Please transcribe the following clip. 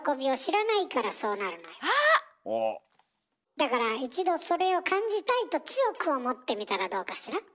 だから一度それを感じたいと強く思ってみたらどうかしら？